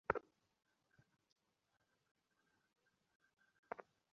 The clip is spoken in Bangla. আমার এখানকার কাজ সারা হলেই উপরে যাব এখন।